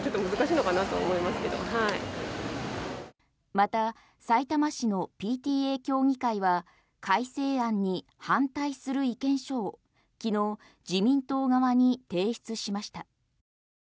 またさいたま市のＰＴＡ協議会は改正案に反対する意見書を昨日、自民党側に提出しました。